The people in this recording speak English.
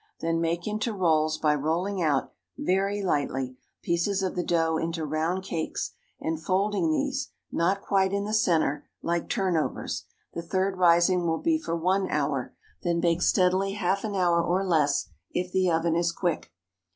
Then make into rolls, by rolling out, very lightly, pieces of the dough into round cakes, and folding these, not quite in the centre, like turn overs. The third rising will be for one hour, then bake steadily half an hour or less, if the oven is quick.